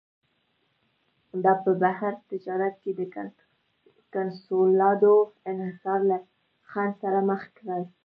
دا په بهر تجارت کې د کنسولاډو انحصار له خنډ سره مخ کړي.